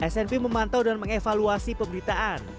snp memantau dan mengevaluasi pemberitaan